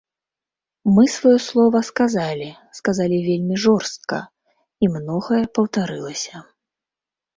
Мы сваё слова сказалі, сказалі вельмі жорстка, і многае паўтаралася.